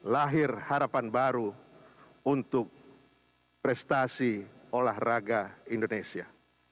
lahir harapan baru untuk prestasi olahraga indonesia